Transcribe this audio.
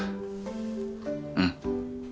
うん。